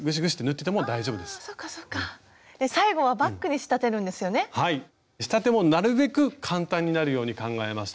仕立てもなるべく簡単になるように考えました。